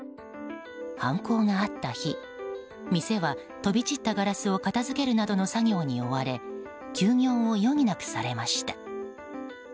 犯行があった日店は飛び散ったガラスを片付けるなどの作業に追われ休業を余儀なくされました。